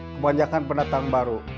kebanyakan pendatang baru